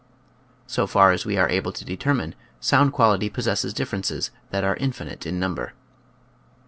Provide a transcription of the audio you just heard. So far as we are able to determine, sound quality possesses differences that are infinite in number.